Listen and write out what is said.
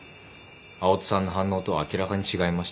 青砥さんの反応とは明らかに違いました。